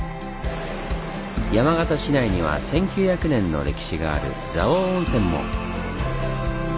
山形市内には１，９００年の歴史がある蔵王温泉も！